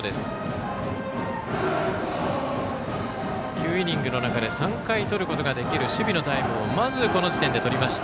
９イニングの中で３回とることができる守備のタイムをこの時点でとりました。